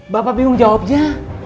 bapak bingung jawabnya